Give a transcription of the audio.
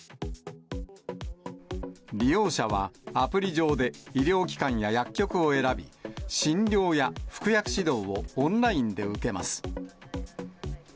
利用者はアプリ上で医療機関や薬局を選び、診療や服薬指導をオンラインで受けます。